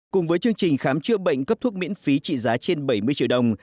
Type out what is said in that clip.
cùng với chương trình khám chữa bệnh cấp thuốc miễn phí trị giá trên bảy mươi triệu đồng